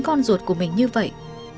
con ruột của mình như vậy